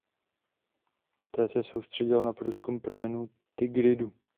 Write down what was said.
Poté se soustředil na průzkum pramenů Tigridu.